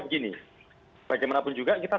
begini bagaimanapun juga kita